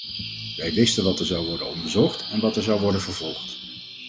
Wij wisten wat zou er worden onderzocht en wat er zou worden vervolgd.